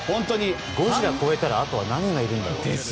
ゴジラ超えたらあとは何がいるんだろう。